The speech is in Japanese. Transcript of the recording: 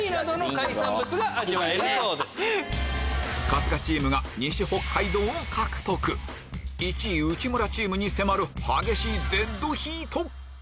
春日チームが西北海道を獲得１位内村チームに迫る激しいデッドヒート！